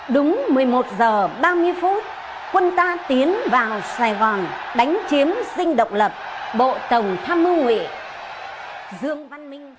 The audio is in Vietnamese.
đúng một mươi một giờ ba mươi phút quân ta tiến vào sài gòn đánh chiến sinh độc lập bộ tổng tham mưu nghệ